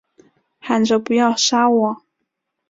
喊着不要杀我